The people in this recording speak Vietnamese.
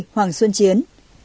hai mươi hoàng xuân chiến